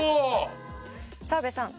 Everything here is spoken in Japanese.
「澤部さん